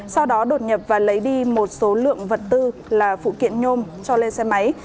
sau đó đột nhập và lấy đi một số lượng vật tư là phụ kiện nhôm cho lên xe máy